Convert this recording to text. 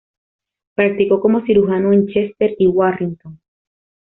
Practicó como cirujano en Chester y Warrington.